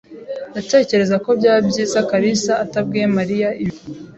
Ndatekereza ko byaba byiza kalisa atabwiye Mariya ibi.